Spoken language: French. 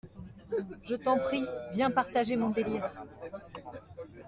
Je t'en prie, viens partager mon délire.